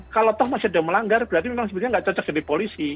kalau toh masih ada melanggar berarti memang sebenarnya nggak cocok jadi polisi